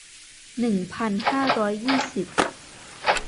หนึ่งพันห้าร้อยยี่สิบ